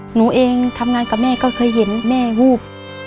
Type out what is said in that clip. หนูเองทำงานกับแม่ก็เคยเห็นแม่วูบ